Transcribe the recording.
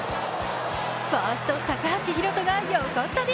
ファースト・高橋海翔が横っ飛び。